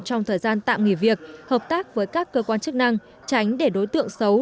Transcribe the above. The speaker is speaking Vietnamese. trong thời gian tạm nghỉ việc hợp tác với các cơ quan chức năng tránh để đối tượng xấu